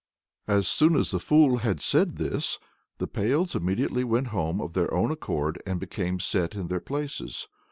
'" As soon as the fool had said this, the pails immediately went home of their own accord and became set in their places.